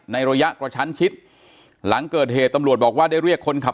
ในระยะกระชั้นชิดหลังเกิดเหตุตำรวจบอกว่าได้เรียกคนขับ